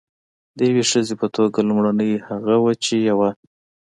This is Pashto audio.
د یوې ښځې په توګه لومړنۍ هغه وه چې یوه.